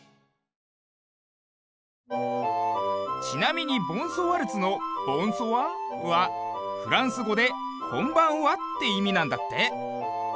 ちなみに「ボンソワルツ」の「ボンソワ」はフランスごで「こんばんは」っていみなんだって。